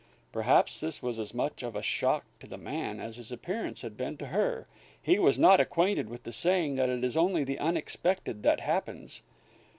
Perhaps this was as much of a shock to the man as his appearance had been to her. He was not acquainted with the saying that it is only the unexpected that happens.